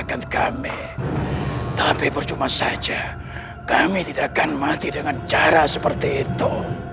akan kami tapi percuma saja kami tidak akan mati dengan cara seperti itu